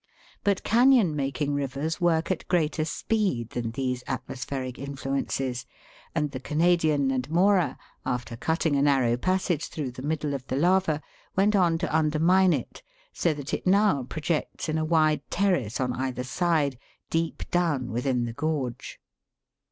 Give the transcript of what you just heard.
But canon making rivers work at greater speed than these atmospheric in fluences, and the Canadian and Mora, after cutting a narrow passage through the middle of the lava, went on to under mine it, so that it now projects in a wide terrace on either side, deep down within the gorge.